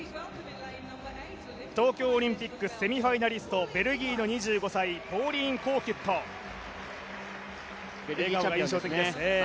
東京オリンピックセミファイナリスト、ベルギーの２５歳、ポーリーン・コウキュット、笑顔が印象的ですね。